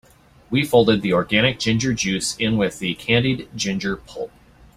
We fold the organic ginger juice in with the candied ginger pulp.